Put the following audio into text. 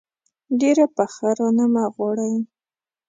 ډېره پخه رانه مه غواړئ.